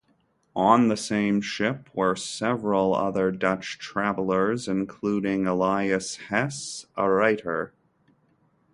On the same ship were several other Dutch travellers, including Elias Hesse, a writer.